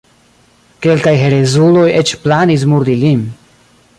Kelkaj herezuloj eĉ planis murdi lin.